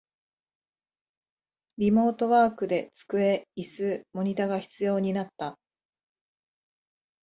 リモートワークで机、イス、モニタが必要になった